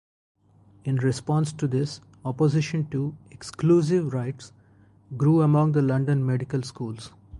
In response to this, opposition to "exclusive" rights grew among the London medical schools.